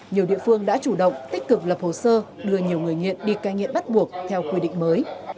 nhiều địa phương đã chủ động tích cực lập hồ sơ đưa nhiều người nghiện đi cai nghiện bắt buộc theo quy định mới